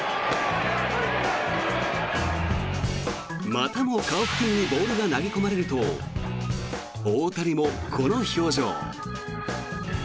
またも顔付近にボールが投げ込まれると大谷もこの表情。